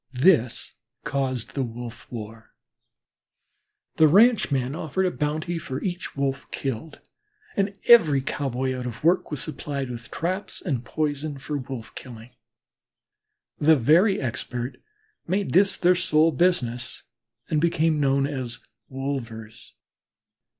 This caused the wolf war. The ranchmen offered a bounty for each Wolf killed, and every cowboy out of work, was supplied with traps and poison for wolf killing. The very expert made this their sole business and became known as wolvers.